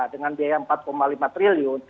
dengan biaya empat lima triliun